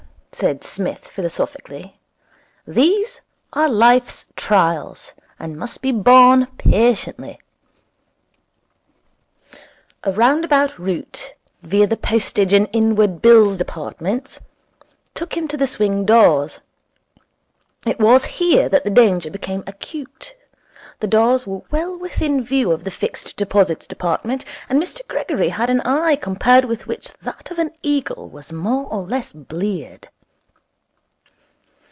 'However,' said Psmith philosophically, 'these are Life's Trials, and must be borne patiently.' A roundabout route, via the Postage and Inwards Bills Departments, took him to the swing doors. It was here that the danger became acute. The doors were well within view of the Fixed Deposits Department, and Mr Gregory had an eye compared with which that of an eagle was more or less bleared.